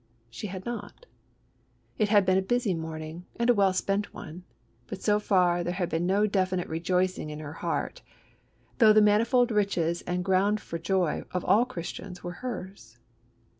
She had not. It had been a busy morning, and a well spent one, but so far there had been no definite rejoicing in her heart, though the manifold riches and ground for joy of all Christians were hers.